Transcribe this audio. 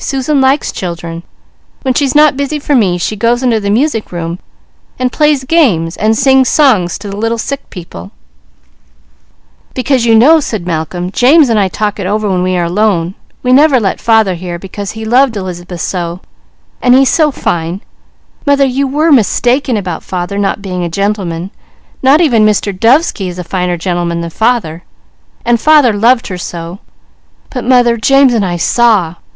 "Susan likes children. When she's not busy for me, she goes into the music room and plays games, and sings songs to little sick people." "Because you know," said Malcolm, "James and I talk it over when we are alone, we never let father hear because he loved Elizabeth so, and he's so fine mother you were mistaken about father not being a gentleman, not even Mr. Dovesky is a finer gentleman than father and father loved her so; but mother, James and I saw.